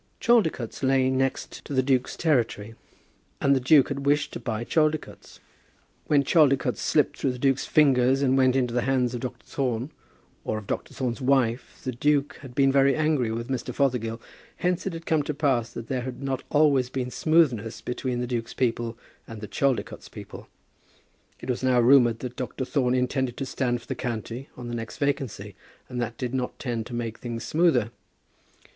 Chaldicotes lay next to the duke's territory, and the duke had wished to buy Chaldicotes. When Chaldicotes slipped through the duke's fingers and went into the hands of Dr. Thorne, or of Dr. Thorne's wife, the duke had been very angry with Mr. Fothergill. Hence it had come to pass that there had not always been smoothness between the duke's people and the Chaldicotes people. It was now rumoured that Dr. Thorne intended to stand for the county on the next vacancy, and that did not tend to make things smoother.